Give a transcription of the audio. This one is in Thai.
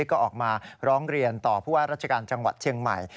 ก็ออกมาร้องเรียนต่อผู้ว่าราชการจังหวัดเชียงใหม่